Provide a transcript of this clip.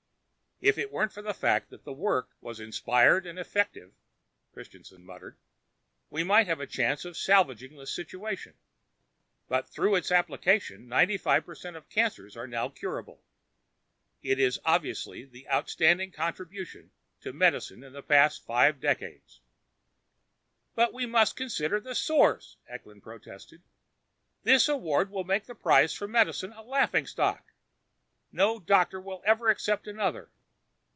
"If it weren't for the fact that the work was inspired and effective," Christianson muttered, "we might have a chance of salvaging this situation. But through its application ninety five per cent of cancers are now curable. It is obviously the outstanding contribution to medicine in the past five decades." "But we must consider the source," Eklund protested. "This award will make the prize for medicine a laughingstock. No doctor will ever accept another.